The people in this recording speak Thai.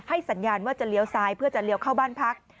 สัญญาณว่าจะเลี้ยวซ้ายเพื่อจะเลี้ยวเข้าบ้านพัก